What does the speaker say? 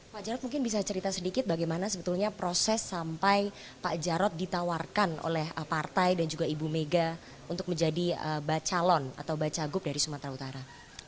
pak jarod mungkin bisa cerita sedikit bagaimana sebetulnya proses sampai pak jarod ditawarkan oleh partai dan juga ibu mega untuk menjadi bacalon atau bacagup dari sumatera utara